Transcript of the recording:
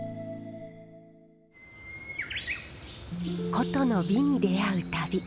古都の美に出会う旅。